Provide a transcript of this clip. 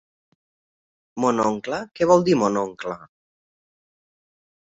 ¿Mon oncle, què vol dir mon oncle?